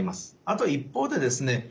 あと一方でですね